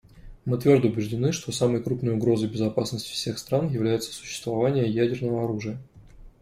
Мы твердо убеждены, что самой крупной угрозой безопасности всех стран является существование ядерного оружия.